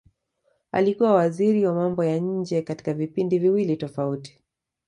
Alikuwa waziri wa mambo ya nje katika vipindi viwili tofauti